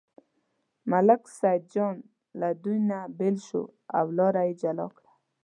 ملک سیدجان له دوی نه بېل شو او لاره یې جلا کړه.